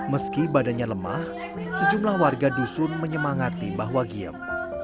meski badannya lemah sejumlah warga dusun menyemangati mbah wagiem